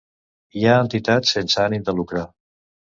Hi ha entitats sense ànim de lucre.